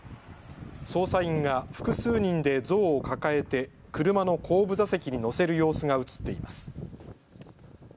捜査員が複数人で像を抱えて車の後部座席に乗せる様子が写っています。